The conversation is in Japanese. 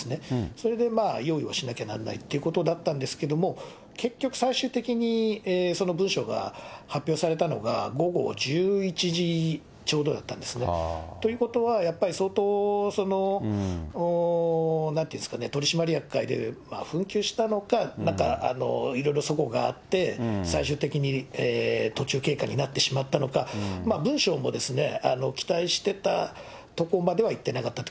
それでまあ、用意をしなきゃならないということだったんですけども、結局、最終的に、その文書が発表されたのが、午後１１時ちょうどだったんですね。ということは、やっぱり相当、なんていうんですかね、取締役会で紛糾したのか、なんか、いろいろなそごがあって、最終的に途中経過になってしまったのか、文章も期待してたところまではいってなかったと。